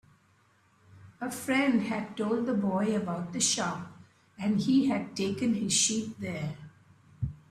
A friend had told the boy about the shop, and he had taken his sheep there.